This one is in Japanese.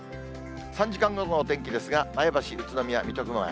３時間ごとのお天気ですが、前橋、宇都宮、水戸、熊谷。